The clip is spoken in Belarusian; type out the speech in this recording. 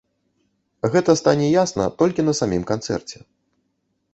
Гэта стане ясна толькі на самім канцэрце.